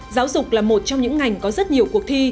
giáo dục là một trong những ngành có rất nhiều cuộc thi